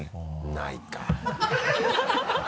ないか。